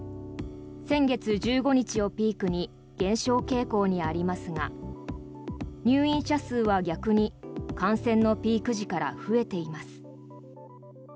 先月１５日をピークに減少傾向にありますが入院者数は逆に感染のピーク時から増えています。